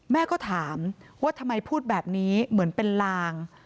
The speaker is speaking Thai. แม่ก็ถามว่าทำไมพูดแบบนี้เหมือนเป็นลาง